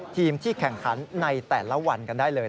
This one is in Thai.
ทีมที่แข่งขันในแต่ละวันกันได้เลย